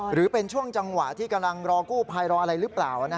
หรือเป็นช่วงจังหวะที่กำลังรอกู้ภัยรออะไรหรือเปล่า